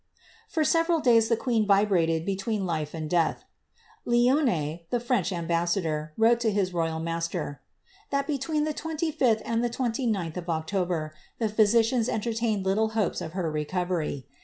'' For several days the queen vibrated between life and death. Lionne, the French ambassador, wrote to his royal master, ^^ that between the 25th and 29th of October, the physicians entertained little hopes of her reco very.